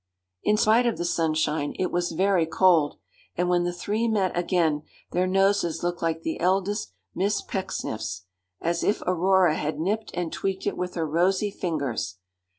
In spite of the sunshine it was very cold, and when the three met again their noses looked like the eldest Miss Pecksniff's, 'as if Aurora had nipped and tweaked it with her rosy fingers.'